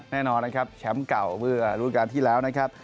แน่นอนนะครับแชมป์เก่าเมื่อรุ่นการที่แล้วนะครับ